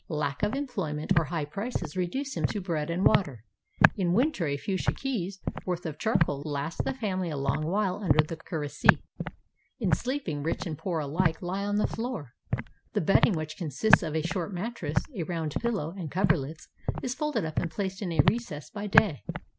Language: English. Lack of employment or high prices reduce him to bread and water. In winter a few shahis' worth of charcoal lasts the family a long while under the kurisee. In sleeping rich and poor alike lie on the floor. The bedding, which consists of a short mattress, a round pillow, and coverlets, is folded up and placed in a recess by day.